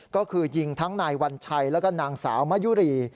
ก็คือยิงทั้งนายวัญชัยแล้วก็นางสาวมะยุรี